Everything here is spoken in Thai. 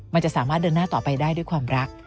มันจะสามารถเดินหน้าต่อไปได้ด้วยความรัก